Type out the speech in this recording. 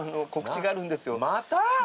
また？